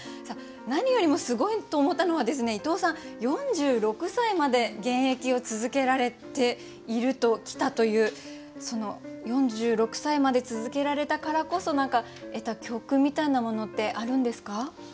さあ何よりもすごいと思ったのは伊藤さん４６歳まで現役を続けられてきたというその４６歳まで続けられたからこそ何か得た教訓みたいなものってあるんですか？